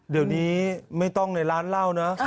เดี๋ยวนี้ไม่ต้องในร้านเหล้านะ